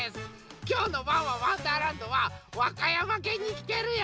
きょうの「ワンワンわんだーらんど」は和歌山県にきてるよ！